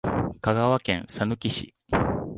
香川県さぬき市